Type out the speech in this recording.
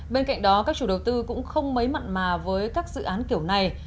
bên cạnh đó các chủ đầu tư cũng không mấy mặn mà với các dự án kiểu này